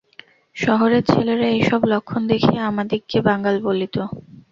শহরের ছেলেরা এইসব লক্ষণ দেখিয়া আমাদিগকে বাঙাল বলিত।